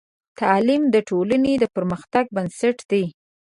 تعلیم د ټولنې د پرمختګ بنسټ دی.